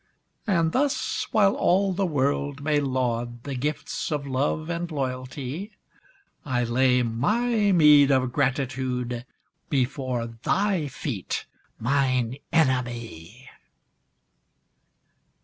And thus, while all the world may laud The gifts of love and loyalty, I lay my meed of gratitude Before thy feet, mine enemy!